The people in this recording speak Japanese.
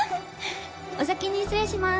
お先に失礼しまーす。